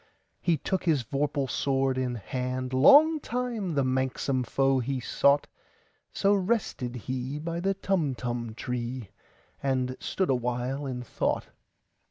He took his vorpal sword in hand:Long time the manxome foe he sought—So rested he by the Tumtum tree, And stood awhile in thought.